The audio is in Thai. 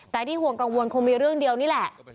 แต่ที่ห่วงกังวลคงมีเรื่องเดียวนี่แหละ